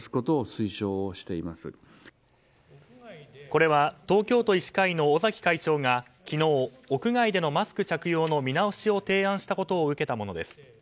これは東京都医師会の尾崎会長が昨日、屋外でのマスク着用の見直しを提案したことを受けたものです。